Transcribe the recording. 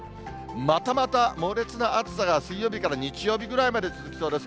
またまた猛烈な暑さが水曜日から日曜日ぐらいまで続きそうです。